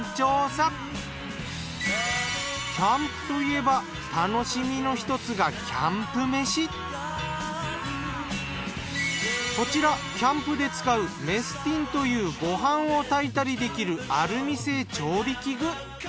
キャンプといえば楽しみのひとつがこちらキャンプで使うメスティンというご飯を炊いたりできるアルミ製調理器具。